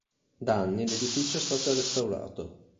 Da anni l'edificio è stato restaurato.